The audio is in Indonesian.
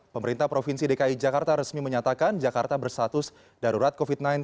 pemerintah provinsi dki jakarta resmi menyatakan jakarta bersatus darurat covid sembilan belas